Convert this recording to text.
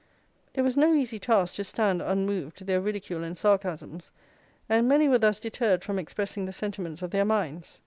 It was no easy task to stand, unmoved, their ridicule and sarcasms, and many were thus deterred from expressing the sentiments of their minds.